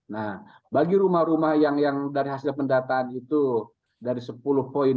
nah bagi rumah rumah yang dari hasil pendataan itu dari sepuluh poin